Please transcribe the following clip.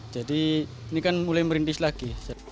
jadi ini kan mulai merintis lagi